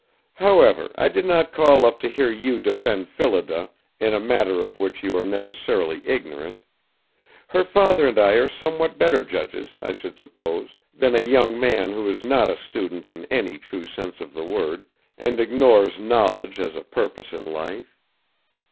However, I did not call up to hear you defend Phillida in a matter of which you are necessarily ignorant. Her father and I are somewhat better judges, I should suppose, than a young man who is not a student in any true sense of the word and ignores knowledge as a purpose in life.